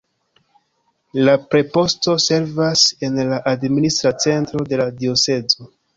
La preposto servas en la administra centro de la diocezo.